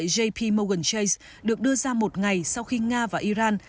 jpmorgan chase được đưa ra một ngày sau khi nga và iran